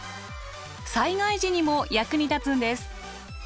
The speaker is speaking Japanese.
災害時にも役に立つんです。